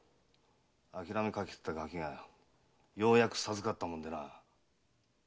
諦めかけてたガキがようやく授かったもんでな。